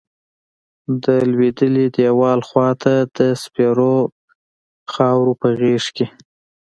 د لویدلیی دیوال خواتہ د سپیرو خاور پہ غیز کیی